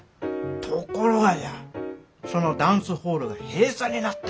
ところがじゃそのダンスホールが閉鎖になったんじゃ。